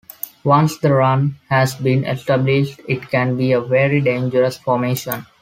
Once the run has been established, it can be a very dangerous formation.